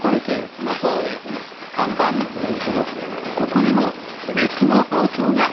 ここにも不滅の法灯が。